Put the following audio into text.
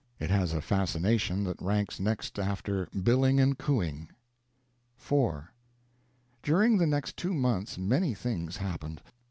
It has a fascination that ranks next after billing and cooing. IV During the next two months many things happened.